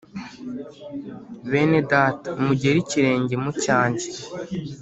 Bene Data mugere ikirenge mu cyanjye